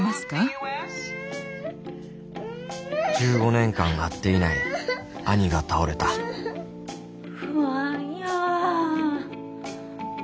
１５年間会っていない兄が倒れた不安やわはよ行ったって。